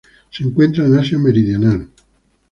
Se encuentra en Asia meridional.